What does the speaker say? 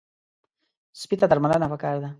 سپي ته درملنه پکار ده.